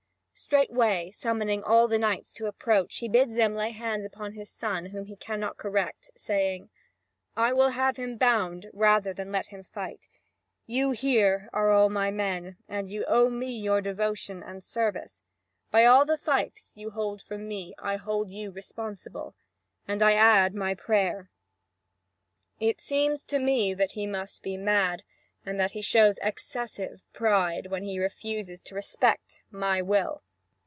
Straightway summoning all the knights to approach, he bids them lay hands upon his son whom he cannot correct, saying: "I will have him bound rather than let him fight. You here are all my men, and you owe me your devotion and service: by all the fiefs you hold from me, I hold you responsible, and I add my prayer. It seems to me that he must be mad, and that he shows excessive pride, when he refuses to respect my will."